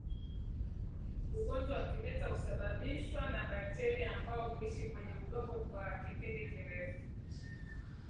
Ugonjwa wa kimeta husababishwa na bakteria ambao huishi kwenye udongo kwa kipindi kirefu